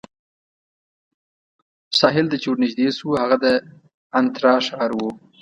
ساحل ته چې ورنژدې شوو، هغه د انترا ښار وو.